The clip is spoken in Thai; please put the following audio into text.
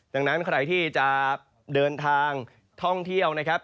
ดังนั้นใครที่จะเดินทางท่องเที่ยวนะครับ